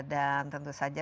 dan tentu saja